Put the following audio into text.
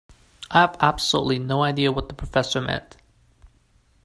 I have absolutely no idea what the professor meant.